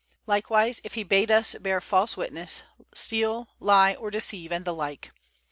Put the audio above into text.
Likewise, if he bade us bear false witness, steal, lie or deceive and the like.